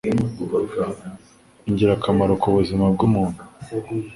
ingirakamaro ku buzima bw'umuntu.